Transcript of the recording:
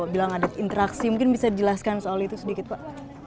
bilang ada interaksi mungkin bisa dijelaskan soal itu sedikit pak